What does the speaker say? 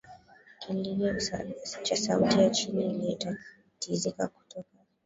Kilio cha sauti ya chini inayotatizika kutoka